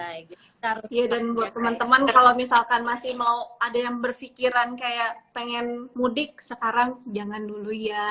dan buat teman teman kalau misalkan masih mau ada yang berpikiran kayak pengen mudik sekarang jangan dulu ya